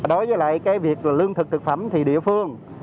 đối với lại cái việc lương thực thực phẩm thì địa phương